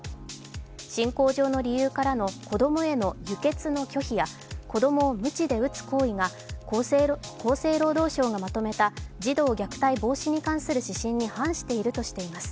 進行上の理由からの子供への輸血の拒否や子供をむちで打つ行為が厚生労働省がまとめた児童虐待防止に関する指針に反しているとしています。